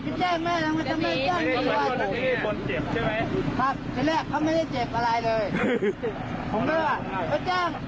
ไปแจ้งแม่ได้ไงบอกทำไมไม่แจ้งละกว่ามาก